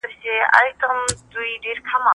وارث له حجرې نه په منډه راووت.